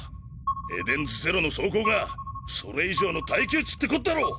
エデンズゼロの装甲がそれ以上の耐久値ってこったろ！